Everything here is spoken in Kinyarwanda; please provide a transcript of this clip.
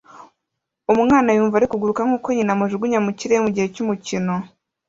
Umwana yumva ari kuguruka nkuko nyina amujugunya mu kirere mugihe cy'umukino